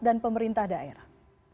dan pemerintah daerah